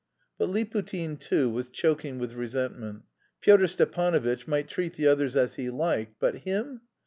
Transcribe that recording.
But Liputin, too, was choking with resentment. Pyotr Stepanovitch might treat the others as he liked, but him!